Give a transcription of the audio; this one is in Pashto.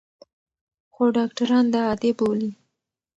خو ډاکټران دا عادي بولي.